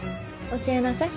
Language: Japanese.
教えなさい。